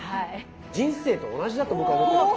人生と同じだと僕は思ってます。